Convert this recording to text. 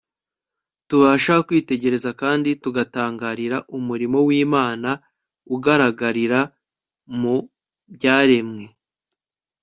tubasha kwitegereza kandi tugatangarira umurimo w'imana ugaragarira mu byaremwe